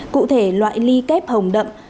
cụ thể loại ly kép hồng đậm